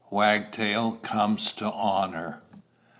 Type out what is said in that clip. WAGTAIL COMES TO HONOR.